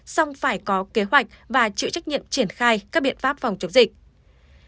xong phải có kế hoạch và chịu trách nhiệm triển khai các biện pháp phòng chống dịch